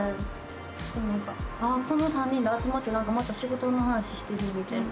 でもなんか、この３人で集まってまた仕事の話してるみたいな。